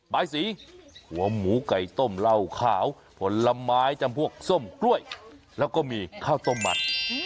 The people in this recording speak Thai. สีหัวหมูไก่ต้มเหล้าขาวผลไม้จำพวกส้มกล้วยแล้วก็มีข้าวต้มมัน